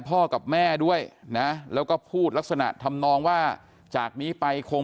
พ่อกับแม่ด้วยนะแล้วก็พูดลักษณะทำนองว่าจากนี้ไปคง